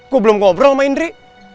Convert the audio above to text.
aku belum ngobrol sama indri